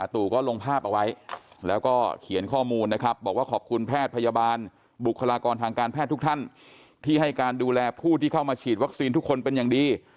ที่เข้ามาฉีดวัคซีนทุกคนเป็นอย่างดี